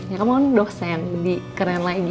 ya kamu dosen di keren lagi